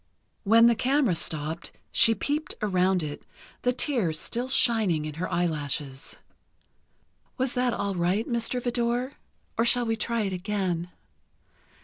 When the camera stopped, she peeped around it, the tears still shining in her eyelashes. "Was that all right, Mr. Vidor? Or shall we try it again?"